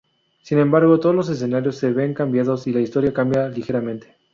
Sin embargo, todos los escenarios se ven cambiados y la historia cambia ligeramente.